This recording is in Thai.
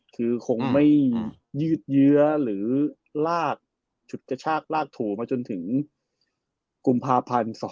คือคงไม่ยืดเยื้อหรือลากฉุดกระชากลากถูมาจนถึงกุมภาพันธ์๒๕๖